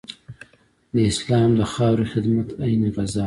د اسلام د خاورې خدمت عین غزا ده.